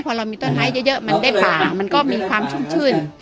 พอเรามีต้นไม้เยอะมันได้ป่ามันก็มีความชุ่มชื่น